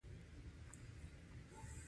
تنور د اوږدو کارونو پایله ده